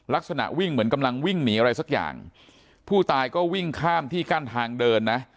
ลักษณะวิ่งเหมือนกำลังวิ่งหนีอะไรสักอย่างผู้ตายก็วิ่งข้ามที่กั้นทางเดินนะ